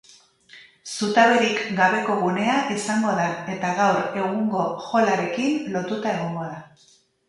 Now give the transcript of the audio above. Zutaberik gabeko gunea izango da eta gaur egungo hall-arekin lotuta egongo da.